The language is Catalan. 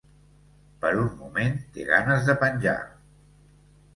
Per un moment té ganes de penjar.